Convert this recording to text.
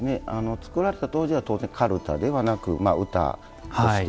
作られた当時は当然、かるたではなく歌として。